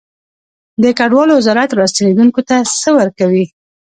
د کډوالو وزارت راستنیدونکو ته څه ورکوي؟